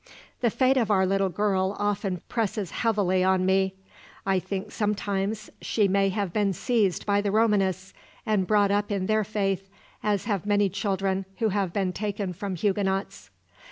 The fate of our little girl often presses heavily on me. I think sometimes she may have been seized by the Romanists and brought up in their faith, as have many children who have been taken from Huguenots."